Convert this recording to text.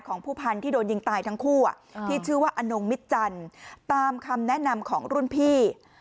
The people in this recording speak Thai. ของผู้พันธุ์ที่โดนยิงตายทั้งคู่ที่ชื่อว่าอนงมิตจันทร์ตามคำแนะนำของรุ่นพี่